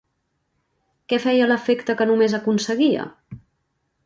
Què feia l'efecte que només aconseguia?